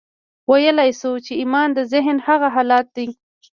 ويلای شو چې ايمان د ذهن هغه حالت دی.